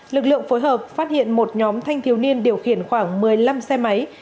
lực lượng phối hợp phát hiện một nhóm thanh thiếu niên điều khiển khoảng một mươi năm xe máy